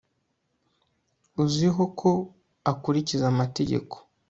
uziho ko akurikiza amategeko